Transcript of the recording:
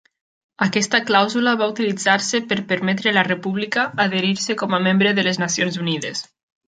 Aquesta clàusula va utilitzar-se per permetre a la república adherir-se com a membre de les Nacions Unides.